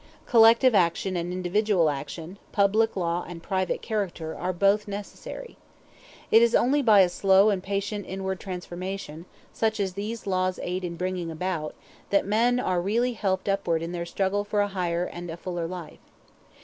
Collective action and individual action, public law and private character, are both necessary. It is only by a slow and patient inward transformation such as these laws aid in bringing about that men are really helped upward in their struggle for a higher and a fuller life.